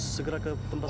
segera ke tempat